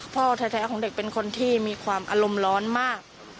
พ่อแท้ของเด็กเป็นคนที่มีความอารมณ์ร้อนมาก